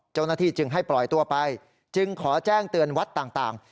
เจ้าหน้าที่จึงให้ปล่อยตัวไปจึงขอแจ้งเตือนวัดต่าง